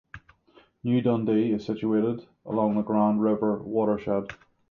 New Dundee is situated along the Grand River watershed.